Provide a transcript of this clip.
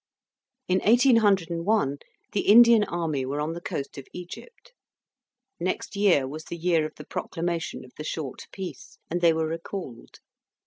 In eighteen hundred and one, the Indian army were on the coast of Egypt. Next year was the year of the proclamation of the short peace, and they were recalled.